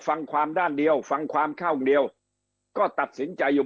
ฟังความด้านเดียวฟังความเข้าเดียวก็ตัดสินใจอยู่